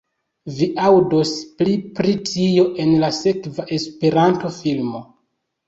Vi aŭdos pli pri tio en la sekva Esperanto-filmo